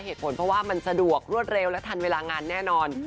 เหตุผลเพราะว่ามันสะดวกรวดเร็วและทันเวลางานแน่นอน